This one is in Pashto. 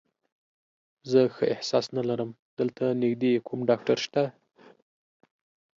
زه ښه احساس نه لرم، دلته نږدې کوم ډاکټر شته؟